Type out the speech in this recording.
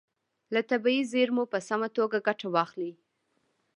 له طبیعي زیرمو په سمه توګه ګټه واخلئ.